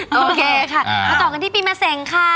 โอเคค่ะมาต่อกันที่ปีมะเสงค่ะ